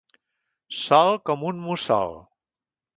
Sol com un mussol.